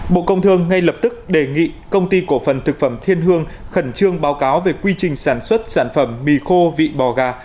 bộ công thương ngay lập tức đề nghị công ty cổ phần thực phẩm thiên hương khẩn trương báo cáo về quy trình sản xuất sản phẩm mì khô vị bò gà